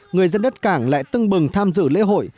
người dân đất cảng lại tưng bừng tham dự lễ hội